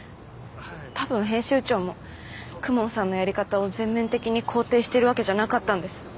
多分編集長も公文さんのやり方を全面的に肯定してるわけじゃなかったんです